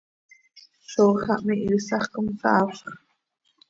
¡Zóo xah mihiisax com saafzx!